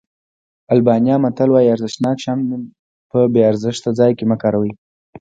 آلبانیا متل وایي ارزښتناک شیان په بې ارزښته ځای کې مه کاروئ.